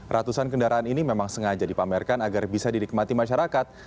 ratusan kendaraan ini memang sengaja dipamerkan agar bisa dinikmati masyarakat